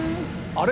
あれ？